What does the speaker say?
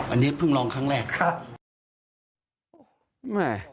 อันนี้เพิ่งลองครั้งแรกครับ